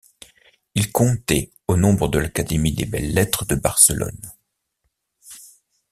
Il comptait au nombre de l'Académie des belles lettres de Barcelone.